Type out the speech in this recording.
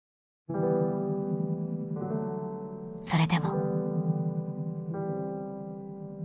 それでも。